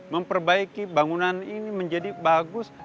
memperbaiki bangunan ini menjadi bagus